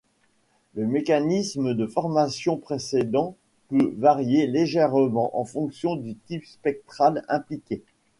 Le mécanisme de formation précédent peut varier légèrement en fonction du type spectral impliqué.